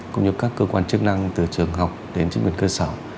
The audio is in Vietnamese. cũng như các cơ quan chức năng từ trường học đến chính quyền cơ sở